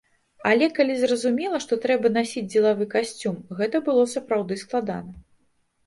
Але, калі зразумела, што трэба насіць дзелавы касцюм, гэта было сапраўды складана.